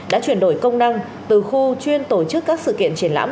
đã chuyển đổi công năng từ khu chuyên tổ chức các sự kiện triển lãm